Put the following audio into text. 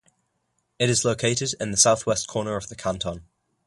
It is located in the southwest corner of the Canton.